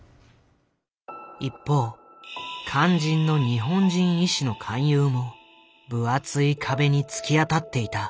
一方肝心の日本人医師の勧誘も分厚い壁に突き当たっていた。